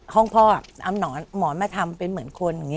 ห้องพ่ออ่ะเอาหมอนมาทำเป็นเหมือนคน